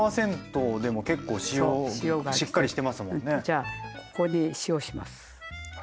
じゃあここに塩をします。